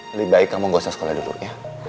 lebih baik kamu gosok sekolah dulu ya